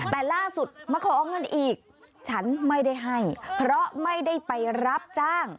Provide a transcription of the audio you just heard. แต่ล่าสุดมาขอเงินอีกฉันไม่ได้ให้เพราะไม่ได้ไปรับจ้าง